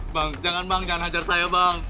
bang jangan bang jangan hajar saya bang